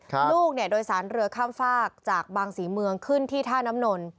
ลูกเนี่ยโดยสารเรือข้ามฝากจากบางศรีเมืองขึ้นที่ท่าน้ำนน